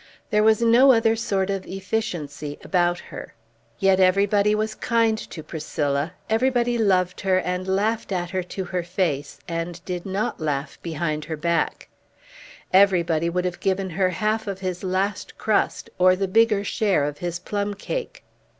There was no other sort of efficiency about her. Yet everybody was kind to Priscilla; everybody loved her and laughed at her to her face, and did not laugh behind her back; everybody would have given her half of his last crust, or the bigger share of his plum cake.